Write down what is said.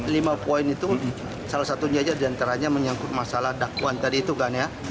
lima poin itu salah satunya aja diantaranya menyangkut masalah dakwaan tadi itu kan ya